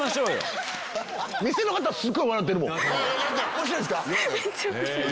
面白いですか？